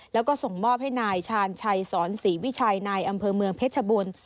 แล้วก็ส่งมอบให้นายชาญชัยสอนศรีวิชัยนายอำเภอเมืองเพชรบูรณ์